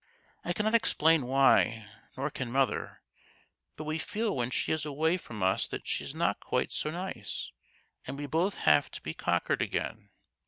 I cannot explain why, nor can mother, but we feel when she is away from us that she is not quite so nice, and we both have to be conquered again.